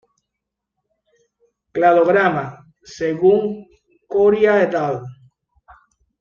Cladograma según Coria "et al.